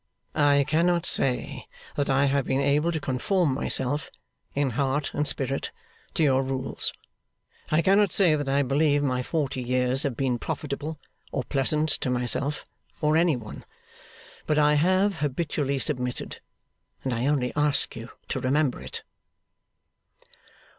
I cannot say that I have been able to conform myself, in heart and spirit, to your rules; I cannot say that I believe my forty years have been profitable or pleasant to myself, or any one; but I have habitually submitted, and I only ask you to remember it.